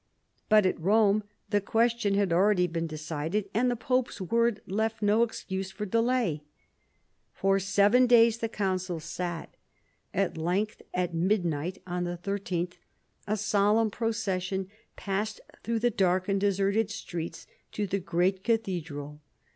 But at Eome the question had already been decided, and the pope's word left no excuse for delay. For seven days the council sat. At length, at mid night on the 13th, a solemn procession passed through the dark and deserted streets to the great cathedral.